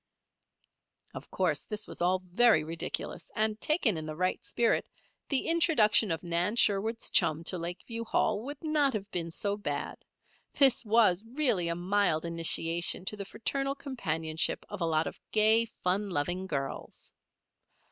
Of course this was all very ridiculous, and, taken in the right spirit, the introduction of Nan Sherwood's chum to Lakeview Hall, would not have been so bad. This was really a mild initiation to the fraternal companionship of a lot of gay, fun loving girls.